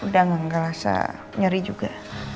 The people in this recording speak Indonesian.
udah ngga engga rasa ngeri juga